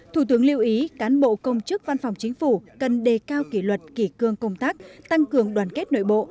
thủ tướng lưu ý cán bộ công chức văn phòng chính phủ cần đề cao kỷ luật kỷ cương công tác tăng cường đoàn kết nội bộ